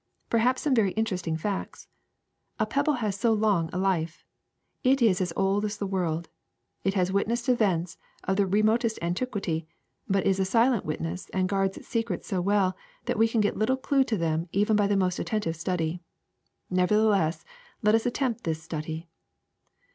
Perhaps some very inter esting facts. A pebble has so long a life ! It is as old as the world. It has witnessed events of the re motest antiquity, but is a silent witness and guards its secrets so well that we can get little clue to them even by the most attentive study. Nevertheless let us attempt this study.